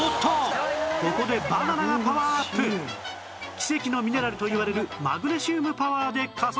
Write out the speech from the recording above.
奇跡のミネラルといわれるマグネシウムパワーで加速！